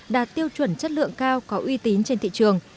đạt tiêu chuẩn chất lượng cao có uy tín trên thị trường